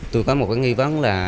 tôi có một cái nghi vấn là